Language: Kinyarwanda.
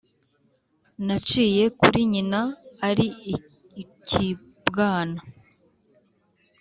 Naciye kuri nyina ari ikibwana